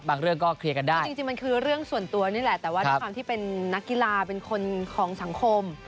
เรื่องก็เคลียร์กันได้จริงมันคือเรื่องส่วนตัวนี่แหละแต่ว่าด้วยความที่เป็นนักกีฬาเป็นคนของสังคม